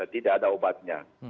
tidak ada obatnya